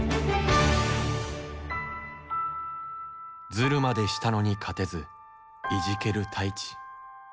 ズルまでしたのにかてずいじける太一。